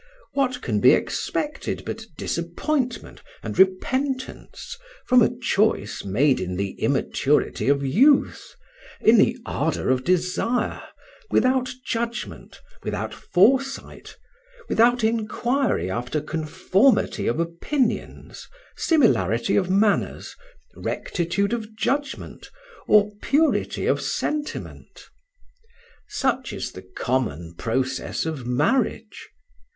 What can be expected but disappointment and repentance from a choice made in the immaturity of youth, in the ardour of desire, without judgment, without foresight, without inquiry after conformity of opinions, similarity of manners, rectitude of judgment, or purity of sentiment? "Such is the common process of marriage.